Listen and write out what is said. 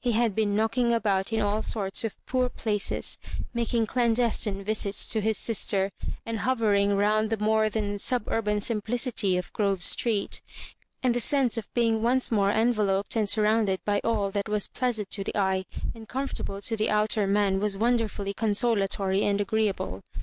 He had been knocking about in all sorts of poor places, making clandes tine visits to his sister, and hovering round the more than suburban simplicity of Grove Street, and the sense of being once more enveloped and surrounded by all that was pleasant to the eye and comfortable to the outer man was wonder fully consolatory and agreeable.